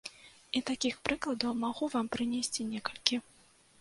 І такіх прыкладаў магу вам прынесці некалькі.